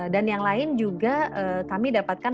dan yang lain juga kami dapatkan